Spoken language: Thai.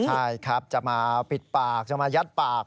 ใช่ครับจะมาปิดปากจะมายัดปาก